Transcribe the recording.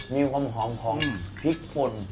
มีความหอมของพริกป่น